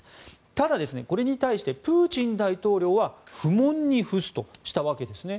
ただ、これに対してプーチン大統領は不問に付すとしたわけですね。